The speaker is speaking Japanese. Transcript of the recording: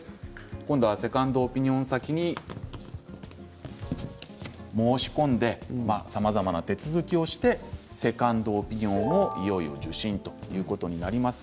今度はセカンドオピニオン先に申し込んで、さまざまな手続きをしてセカンドオピニオンをいよいよ受診ということになります。